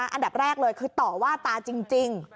อันดับแรกเลยคือต่อว่าตาจริง